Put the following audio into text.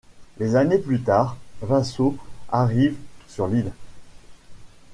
Des années plus tard, Vasos arrive sur l'île.